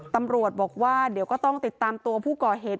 ตำรวจบอกว่าเดี๋ยวก็ต้องติดตามตัวผู้ก่อเหตุ